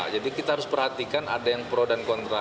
jadi kita harus perhatikan ada yang pro dan kontra